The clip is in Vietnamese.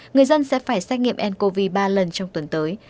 người dân sẽ phải xét nghiệm ncov ba lần trong tuần tới